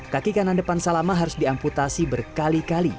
kaki kanan depan salama harus diamputasi berkali kali